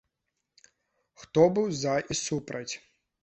Хто быў за і супраць?